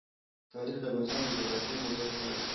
تاریخ د افغانستان د جغرافیایي موقیعت پایله ده.